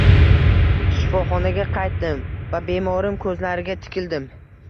Shifoxonaga qaytdim va bemorim ko`zlariga tikildim